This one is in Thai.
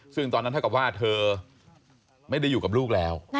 ซึ่งตอนนั้นเท่ากับว่าเธอไม่ได้อยู่กับลูกแล้ว